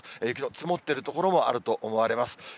雪の積もっている所もあると思われます。